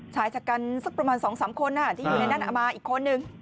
ชายชะกันสักประมาณ๒๓คนที่อยู่ในนั้นเอามาอีกคนนึง